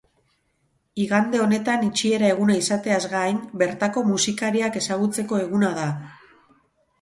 Igande honetan itxiera eguna izateaz gain, bertako musikariak ezagutzeko eguna da.